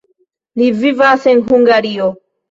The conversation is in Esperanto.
Li vivas en Hungario.